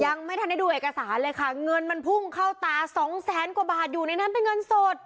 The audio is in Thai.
ยังไม่ทันได้ดูเอกสารเลยค่ะเงินมันพุ่งเข้าตาสองแสนกว่าบาทอยู่ในนั้นเป็นเงินสด